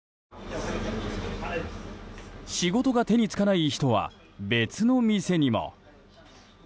仕事が手につかない人は別の店にも。